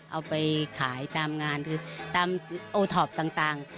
เอาไปขายตามงานหรือตามโอท็อปต่าง